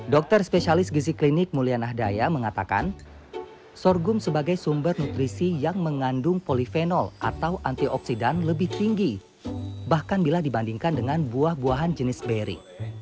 dokter spesialis gizi klinik mulyanah daya mengatakan sorghum sebagai sumber nutrisi yang mengandung polifenol atau antioksidan lebih tinggi bahkan bila dibandingkan dengan buah buahan jenis beri